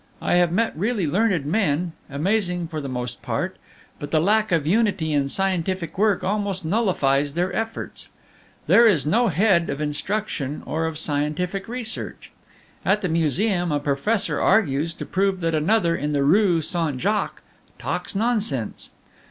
I have met really learned men, amazing for the most part; but the lack of unity in scientific work almost nullifies their efforts. There is no Head of instruction or of scientific research. At the Museum a professor argues to prove that another in the Rue Saint Jacques talks nonsense.